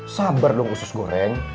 sabar dong khusus goreng